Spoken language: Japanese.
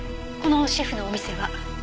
このシェフのお店は？